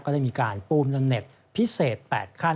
ก็ได้มีการปูนดนเน็ตพิเศษ๘ขั้น